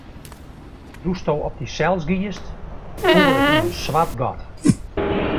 Doe'tsto op dysels giest, foel ik yn in swart gat.